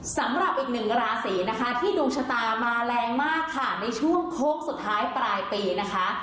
สำหรับอีกหนึ่งราศีนะคะที่ดวงชะตามาแรงมากค่ะในช่วงโค้งสุดท้ายปลายปีนะคะ